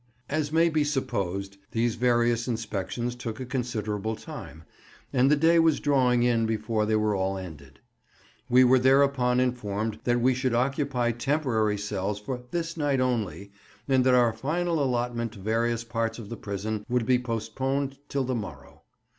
As may be supposed, these various inspections took a considerable time, and the day was drawing in before they were all ended. We were thereupon informed that we should occupy temporary cells for "this night only," and that our final allotment to various parts of the prison would be postponed till the morrow.